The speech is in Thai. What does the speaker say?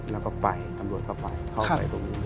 และก็ไปตำรวจก็ไป